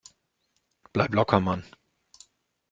Bleib locker, Mann!